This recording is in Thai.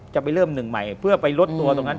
จะไปเริ่มหนึ่งใหม่เพื่อไปลดตัวตรงนั้น